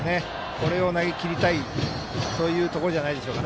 これを投げきりたいというところじゃないでしょうか